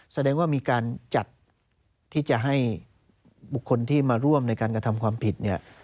แสดงว่ามีการจัดที่จะให้บุคคลที่มาร่วมในการกระทำความผิดเนี่ย